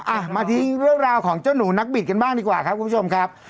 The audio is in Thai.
อ่ะมาทิ้งเรื่องราวของเจ้าหนูนักบิดกันบ้างดีกว่าครับคุณผู้ชมครับ